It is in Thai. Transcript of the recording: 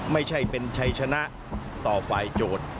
ไม่ใช่เป็นชัยชนะต่อฝ่ายโจทย์